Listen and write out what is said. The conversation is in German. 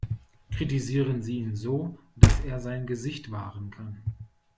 Kritisieren Sie ihn so, dass er sein Gesicht wahren kann.